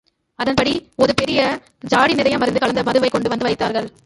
அதன்படி ஒது பெரிய ஜாடி நிறைய மருந்து கலந்த மதுவைக் கொண்டு வந்து வைத்தார்கள்.